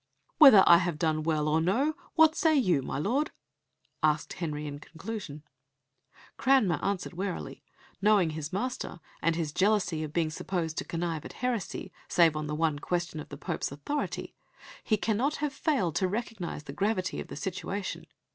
"Whether I have done well or no, what say you, my lord?" asked Henry in conclusion. Cranmer answered warily. Knowing his master, and his jealousy of being supposed to connive at heresy, save on the one question of the Pope's authority, he cannot have failed to recognise the gravity of the situation.